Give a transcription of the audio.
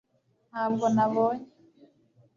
ntabwo nabonye